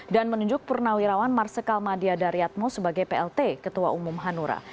dan menunjuk purnawirawan marsikal madia daryatmo sebagai plt ketua umum hanura